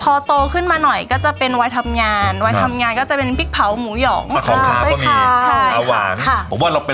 พอโตขึ้นมาหน่อยก็จะเป็นวัยทำงานวัยทำงานก็จะเป็นพริกเผาหมูหยอง